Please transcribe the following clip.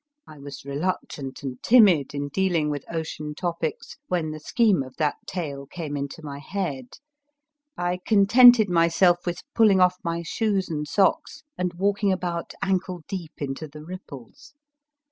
I was reluctant and timid in dealing with ocean topics when the scheme of that tale came into my head ; I contented myself with pulling off my shoes and socks and walking about ankle deep into the ripples.